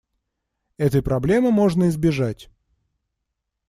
Этой проблемы можно избежать.